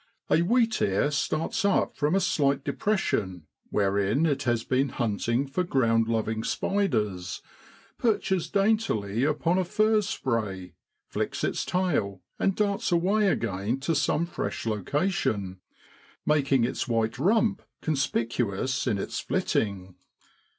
A wheatear starts up from a slight depression wherein it has been hunting for ground loving spiders, perches daintily upon a furze spray, flicks its tail and darts away again to some fresh location, making its white rump conspicuous in its flitting.